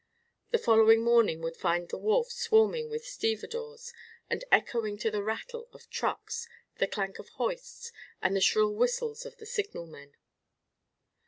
The following morning would find the wharf swarming with stevedores and echoing to the rattle of trucks, the clank of hoists, and the shrill whistles of the signalmen.